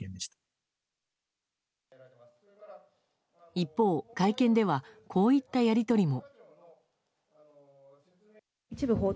一方、会見ではこういったやり取りも。